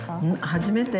初めて。